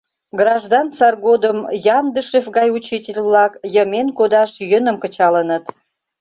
Граждан сар годым Яндышев гай учитель-влак йымен кодаш йӧным кычалыныт.